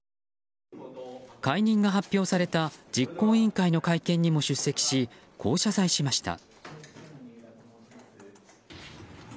解任が発表された実行委員会の会見にも出席しこう謝罪しました。